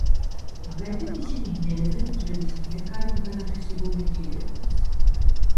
მაგალითად ისინი ინელებენ უჯრედის მიერ გარემოდან ათვისებულ ნივთიერებებს.